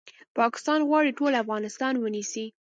پاکستان غواړي ټول افغانستان ونیسي